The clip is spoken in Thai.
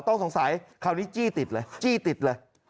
ต้องสงสัยคราวนี้จี้ติดเลย